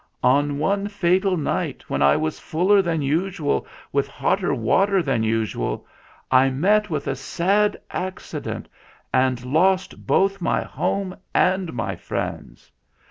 On one fatal night, when I was fuller than usual with hotter water than usual, I met with a sad accident and lost both my home and my friends.